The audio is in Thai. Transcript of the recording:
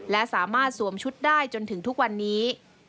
และสามารถสวมชุดได้จนถึงทุกวันนี้